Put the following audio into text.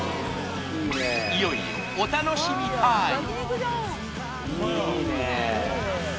いよいよお楽しみタイム！